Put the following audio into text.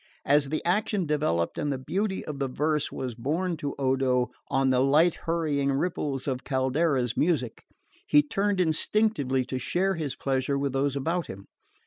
As the action developed and the beauty of the verse was borne to Odo on the light hurrying ripples of Caldara's music he turned instinctively to share his pleasure with those about him.